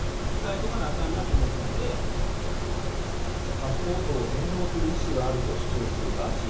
パスポートを返納する意思はあると主張するガーシー